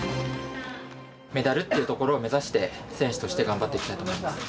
メダルっていうところを目指して選手として頑張っていきたいと思います。